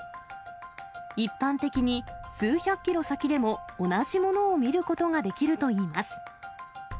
一般的に、数百キロ先でも同じものを見ることができるといいます。